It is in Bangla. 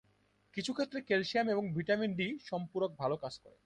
কিছু ক্ষেত্রে ক্যালসিয়াম এবং ভিটামিন ডি সম্পূরক ভাল কাজ করে।